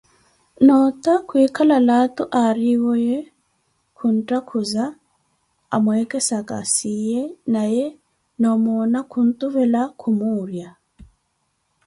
Noo ota kwikala laato ariwo ye, kunthakhuza amwessaka siye naye noo'omona khuntuvela khumuura